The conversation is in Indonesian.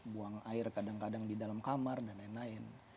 buang air kadang kadang di dalam kamar dan lain lain